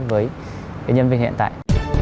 với nhân viên hiện tại